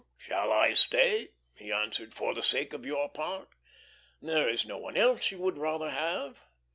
"Shall I stay," he asked, "for the sake of your part? There is no one else you would rather have?"